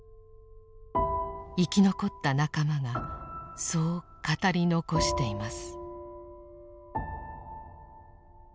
生き残った仲間がそう語り残しています。